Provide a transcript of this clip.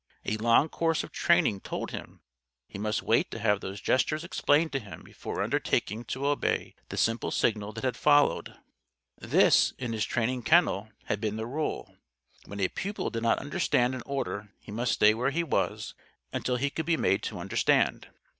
A long course of training told him he must wait to have these gestures explained to him before undertaking to obey the simple signal that had followed. This, in his training kennel, had been the rule. When a pupil did not understand an order he must stay where he was until he could be made to understand.